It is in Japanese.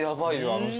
あの人。